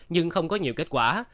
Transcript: nhưng không có nhiều kết quả